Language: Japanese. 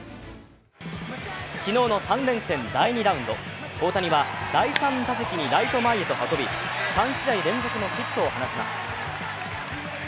昨日の３連戦第２ラウンド、大谷は第３打席にライト前へと運び３試合連続のヒットを放ちます。